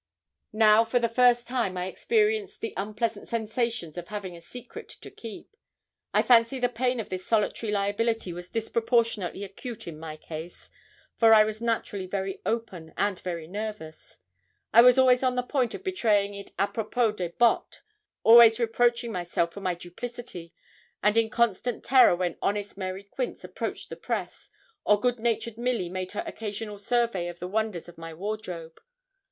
Now, for the first time, I experienced the unpleasant sensations of having a secret to keep. I fancy the pain of this solitary liability was disproportionately acute in my case, for I was naturally very open and very nervous. I was always on the point of betraying it apropos des bottes always reproaching myself for my duplicity; and in constant terror when honest Mary Quince approached the press, or good natured Milly made her occasional survey of the wonders of my wardrobe.